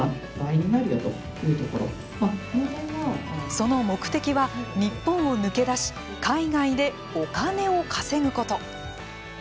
その目的は日本を抜け出し海外でお金を稼ぐこと。